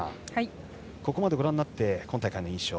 ここまでご覧になって今大会の印象